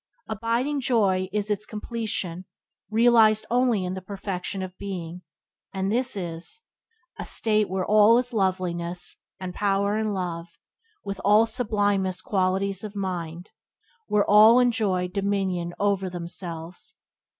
Abiding joy is its completion is realized only in the perfection of being, and this is "A state Where all is loveliness, and power and love, With all sublimest qualities of mind, ... Where all Enjoy entire dominion o'er themselves.